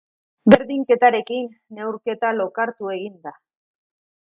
Berdinketarekin, neurketa lokartu egin da.